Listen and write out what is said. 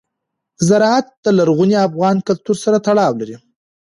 زراعت د لرغوني افغان کلتور سره تړاو لري.